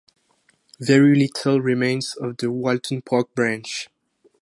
Very little remains of the Walton Park Branch.